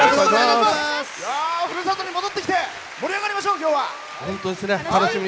ふるさとに戻ってきて盛り上がりましょう、今日は。